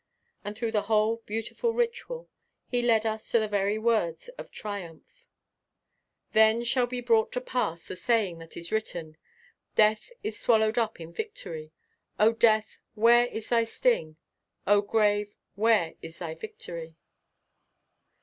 And through the whole beautiful ritual he led us to the very words of triumph: "Then shall be brought to pass the saying that is written; Death is swallowed up in victory. O death, where is thy sting? O grave, where is thy victory?"